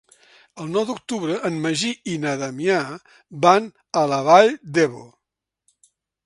El nou d'octubre en Magí i na Damià van a la Vall d'Ebo.